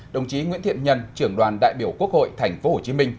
đồng chí nguyễn thiện nhân trưởng đoàn đại biểu quốc hội tp hcm